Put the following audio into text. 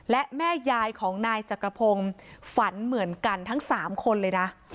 และแม่ยายของนายจักรพงศ์ฝันเหมือนกันทั้ง๓คนเลยนะ